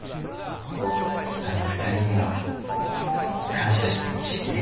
あの２人には感謝してもしきれないです。